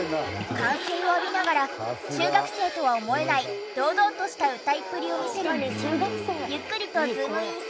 歓声を浴びながら中学生とは思えない堂々とした歌いっぷりを見せる息子にゆっくりとズームインする百恵さん。